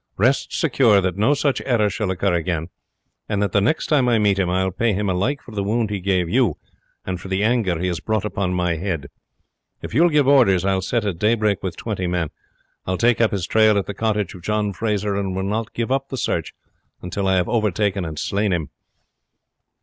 Rest secure that no such error shall occur again, and that the next time I meet him I will pay him alike for the wound he gave you and for the anger he has brought upon my head. If you will give orders I will start at daybreak with twenty men. I will take up his trail at the cottage of John Frazer, and will not give up the search until I have overtaken and slain him."